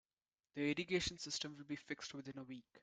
The irrigation system will be fixed within a week.